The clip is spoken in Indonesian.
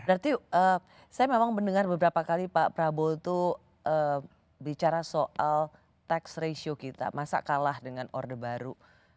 berarti saya memang mendengar beberapa kali pak prabowo itu bicara soal tax ratio kita masa kalah dengan orde baru